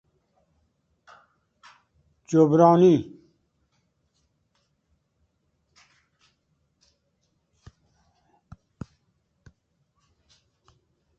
جبرانی